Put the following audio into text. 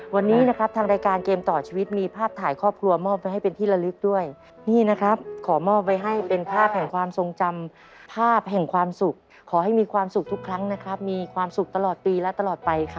วันนี้นะครับทางรายการเกมต่อชีวิตมีภาพถ่ายครอบครัวมอบไว้ให้เป็นที่ละลึกด้วยนี่นะครับขอมอบไว้ให้เป็นภาพแห่งความทรงจำภาพแห่งความสุขขอให้มีความสุขทุกครั้งนะครับมีความสุขตลอดปีและตลอดไปครับ